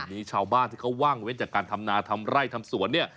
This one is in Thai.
มีชาวบ้านที่เขาว่างเว้นจากการทำนาทำไร่ทำสวนเนี่ย